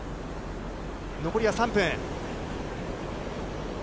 残りは３分。